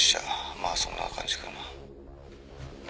まあそんな感じかな」